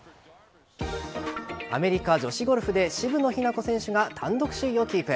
アメリカ女子ゴルフで渋野日向子選手が単独首位をキープ。